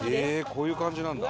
こういう感じなんだ。